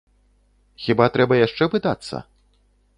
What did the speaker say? Хіба трэба яшчэ пытацца?